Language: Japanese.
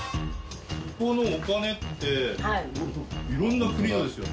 ここのお金って色んな国のですよね？